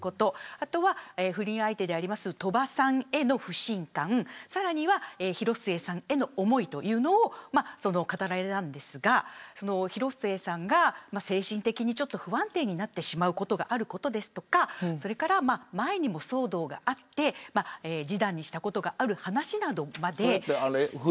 あとは不倫相手である鳥羽さんへの不信感さらには広末さんへの思いというのを語っていましたが広末さんが精神的に不安定になってしまうことがあることだったり前にも騒動があって示談にしたことがある話なども。